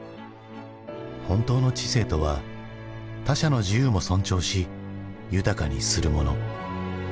本当の知性とは他者の自由も尊重し豊かにするもの。